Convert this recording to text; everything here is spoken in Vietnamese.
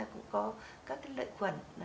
cũng có các lợi khuẩn